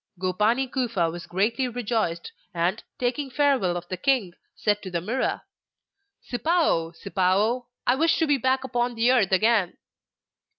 Gopani Kufa was greatly rejoiced, and, taking farewell of the king, said to the Mirror: 'Sipao, Sipao, I wish to be back upon the Earth again!